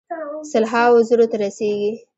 سل هاوو زرو ته رسیږي.